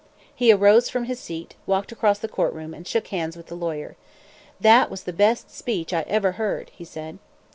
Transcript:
He arose from his seat, walked across the courtroom, and shook hands with the lawyer. "That was the best speech I ever heard," he said.